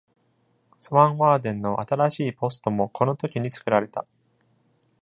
スワン・ワーデンの新しいポストもこの時に作られた。